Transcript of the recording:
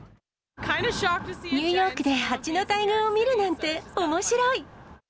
ニューヨークで蜂の大群を見るなんて、おもしろい！